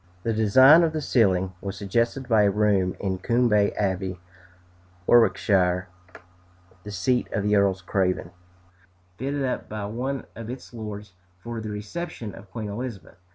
The design of the ceiling was suggested by a room in Coombe Abbey, Warwickshire, the seat of the Earls Craven, fitted up by one of its lords for the reception of Queen Elizabeth.